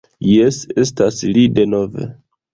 Jes, estas li denove